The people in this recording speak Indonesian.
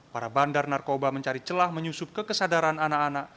para bandar narkoba mencari celah menyusup kekesadaran anak anak